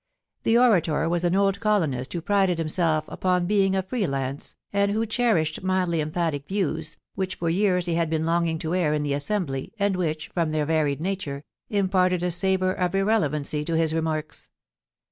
The orator was an old colonist who prided himself upon being a free lance, and who cherished mildly emphatic views, which for years he had been longing to air in the Assembly, and which, from their varied nature, imparted a savour of irrelevancy to his remarks.